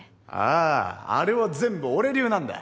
あああれは全部俺流なんだ。